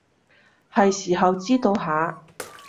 喺時候知道下